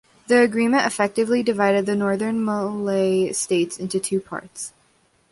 The agreement effectively divided the northern Malay states into two parts.